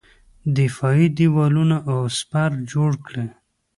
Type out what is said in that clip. دفاعي دېوالونه او سپر جوړ کړي.